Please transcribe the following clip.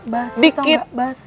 basi atau gak